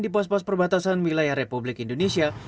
di pos pos perbatasan wilayah republik indonesia